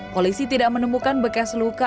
polisi tidak menemukan bekas luka